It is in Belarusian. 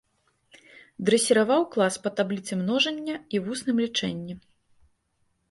Дрэсіраваў клас па табліцы множання і вусным лічэнні.